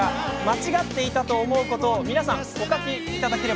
間違っていたと思うことを皆さんお書きください。